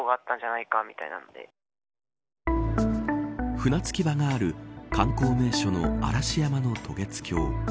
船着き場がある観光名所の嵐山の渡月橋。